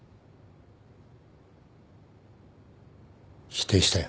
否定したよ。